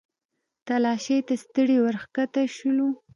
تلاشۍ ته ستړي ورښکته شولو.